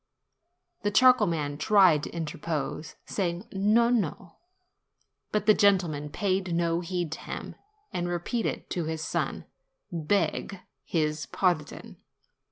The charcoal man tried to interpose, saying, "No, no!" but the gentleman paid no heed to him, and re peated to his son, "Beg his pardon.